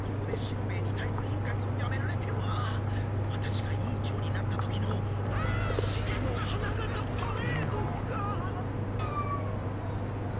ここで四郎兵衛に体育委員会をやめられてはワタシが委員長になった時の真の花形パレードが。はあ。